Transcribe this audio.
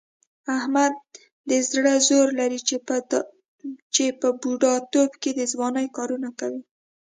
احمد د زړه زور لري، چې په بوډا توب کې د ځوانۍ کارونه کوي.